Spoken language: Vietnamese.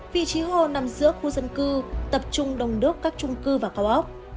vị trí hồ nằm giữa khu dân cư tập trung đồng đốc các trung cư và cao óc